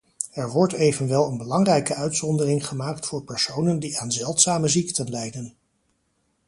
Er wordt evenwel een belangrijke uitzondering gemaakt voor personen die aan zeldzame ziekten lijden.